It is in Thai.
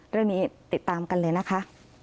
เรื่องนี้ติดตามกันเลยนะคะ